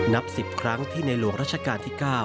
นับ๑๐ครั้งที่ในหลวงรัชกาลที่๙